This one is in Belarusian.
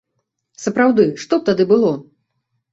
Сапраўды, што б тады было?